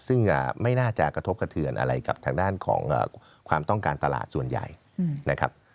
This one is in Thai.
ซึ่งไม่น่าจะกระทบกระเทือนอะไรกับทางด้านของความต้องการตลาดส่วนใหญ่นะครับ